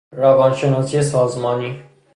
روان شناسی سازمانی